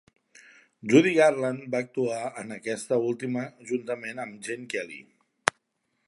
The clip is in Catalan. Judy Garland va actuar en aquesta última juntament amb Gene Kelly.